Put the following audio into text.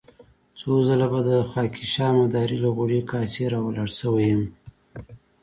څو ځله به د خاکيشاه مداري له غوړې کاسې را ولاړ شوی يم.